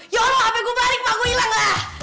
ya allah hape gue balik mau gue ilang lah